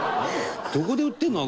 どこで売ってるの？